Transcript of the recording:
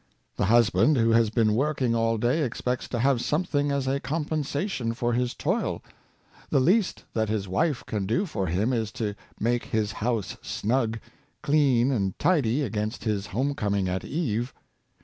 The husband who has been working all day expects to have something as a compensation for his toil. The least that his wife can do for him is to make his house snug, clean and tidy against his home coming at eve.